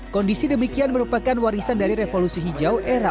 kondisi demikian merupakan warisan dari revolusi hijau era